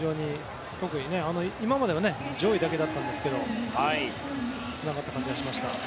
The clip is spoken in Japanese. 今までは上位だけだったんですけどつながった感じがしました。